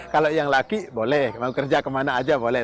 kalau yang laki boleh mau kerja kemana aja boleh